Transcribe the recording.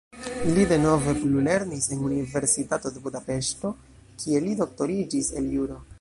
Li denove plulernis en Universitato de Budapeŝto, kie li doktoriĝis el juro.